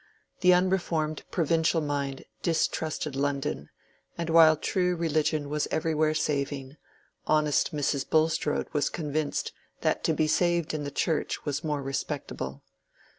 The unreformed provincial mind distrusted London; and while true religion was everywhere saving, honest Mrs. Bulstrode was convinced that to be saved in the Church was more respectable.